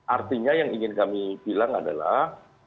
artinya yang ingin kami bilang adalah